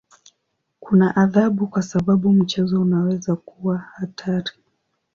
Kuna adhabu kwa sababu mchezo unaweza kuwa hatari.